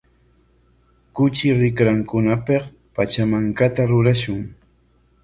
Kuchi rikrankunapik pachamankata rurashun.